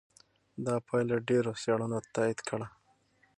دا پایله ډېرو څېړنو تایید کړه.